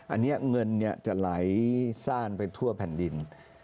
อันนี้เงินจะไหลซ่านไปทั่วแผ่นดิน